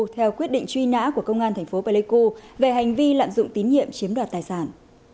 theo quyết định truy nã của công an thành phố pleiku về hành vi lạm dụng tín nhiệm chiếm đoạt tài sản